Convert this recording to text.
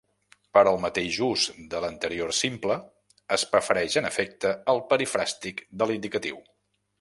Per al mateix ús de l'Anterior Simple es prefereix, en efecte, el perifràstic de l'Indicatiu.